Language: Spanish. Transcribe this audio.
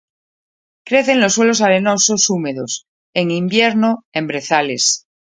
Crece en suelos arenosos húmedos en invierno en brezales.